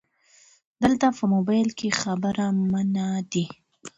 📵 دلته په مبایل کې خبري منع دي